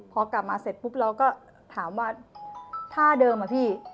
พอกลับมาเสร็จปุ๊บเราก็ถามว่าท่าเดิมอะพี่